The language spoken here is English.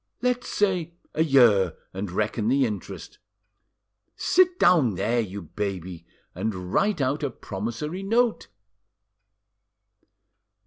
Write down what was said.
"Let's say a year, and reckon the interest. Sit down there, you baby, and write out a promissory note."